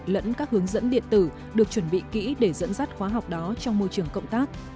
lẫn các hướng dẫn điện tử được chuẩn bị kỹ để dẫn dắt khóa học đó trong môi trường cộng tác